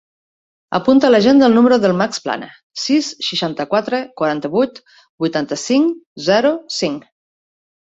Apunta a l'agenda el número del Max Plana: sis, seixanta-quatre, quaranta-vuit, vuitanta-cinc, zero, cinc.